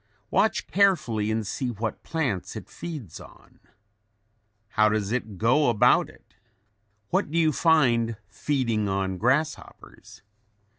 Watch carefully and see what plants it feeds on. How does it go about it? What do you find feeding on grasshoppers?